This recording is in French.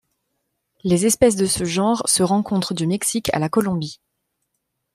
Les espèces de ce genre se rencontrent du Mexique à la Colombie.